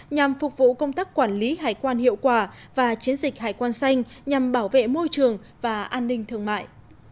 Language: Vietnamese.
nhằm phục vụ công tác quản lý hải quan hiệu quả và chiến dịch hải quan xanh nhằm bảo vệ môi trường và an ninh thương mại